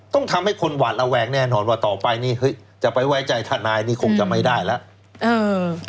ต้องทำให้คนหวาดระแวงแน่นอนว่าต่อไปนี้จะไปไว้ใจทนายนี่คงจะไม่ได้แล้ว